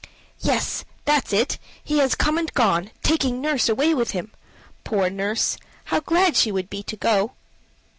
"Yes, that's it. He has come and gone, taking nurse away with him. Poor nurse! how glad she would be to go!"